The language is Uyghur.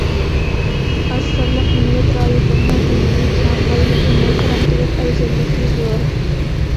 ئاز سانلىق مىللەت رايونلىرىنىڭ زېمىنى كەڭ، بايلىقى مول، تەرەققىيات ئەۋزەللىكى زور.